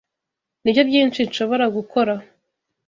Nibyo byinshi nshobora gukora.